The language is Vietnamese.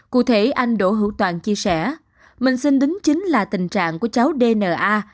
cụ thể anh đỗ hữu toàn chia sẻ mình xin đính chính là tình trạng của cháu d n a